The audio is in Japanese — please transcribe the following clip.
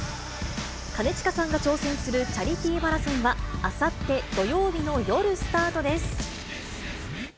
兼近さんが挑戦するチャリティーマラソンは、あさって土曜日の夜スタートです。